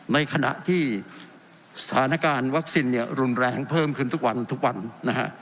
ในขณะที่สถานการณ์วัคซีนเนี่ยรุนแรงเพิ่มขึ้นทุกวันทุกวันนะฮะ